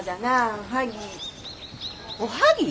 おはぎ？